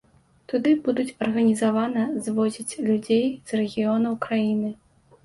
Туды будуць арганізавана звозіць людзей з рэгіёнаў краіны.